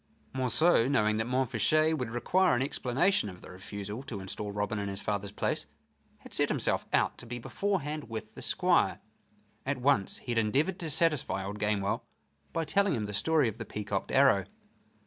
Monceux, knowing that Montfichet would require an explanation of the refusal to instal Robin in his father's place, had set himself out to be beforehand with the Squire. At once he had endeavored to satisfy old Gamewell by telling him the story of the peacocked arrow.